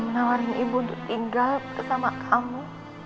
menawarin ibu tinggal bersama kamu